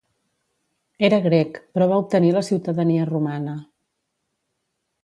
Era grec, però va obtenir la ciutadania romana.